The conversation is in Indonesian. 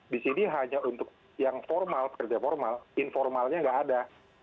di sini hanya untuk yang formal pekerja formal informalnya nggak ada